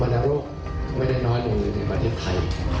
อาณาโรคไม่ได้น้อยมุ่งอื่นในประเทศไทย